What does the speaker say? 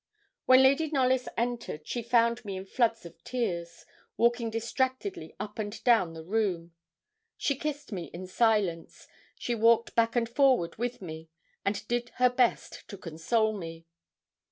When Lady Knollys entered, she found me in floods of tears, walking distractedly up and down the room. She kissed me in silence; she walked back and forward with me, and did her best to console me.